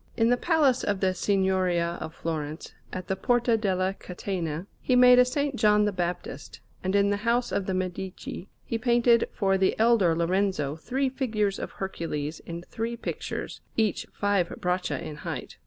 In the Palace of the Signoria of Florence, at the Porta della Catena, he made a S. John the Baptist; and in the house of the Medici he painted for the elder Lorenzo three figures of Hercules in three pictures, each five braccia in height.